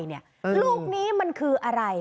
ลูกนี้มันคืออะไร